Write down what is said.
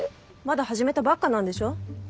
まだ始めたばっかなんでしょ？